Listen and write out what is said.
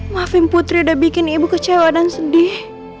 maafin putri udah bikin ibu kecewa dan sedih